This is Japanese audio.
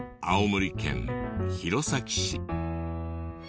青森県弘前市。